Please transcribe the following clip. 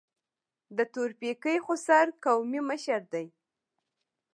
د تورپیکۍ خوسر قومي مشر دی.